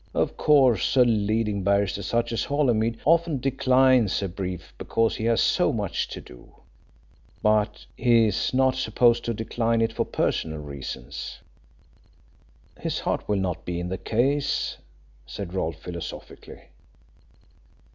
Of course, a leading barrister, such as Holymead, often declines a brief because he has so much to do, but he is not supposed to decline it for personal reasons." "His heart will not be in the case," said Rolfe philosophically.